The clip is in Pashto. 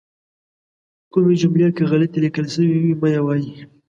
کومې جملې که غلطې لیکل شوي وي مه یې وایئ.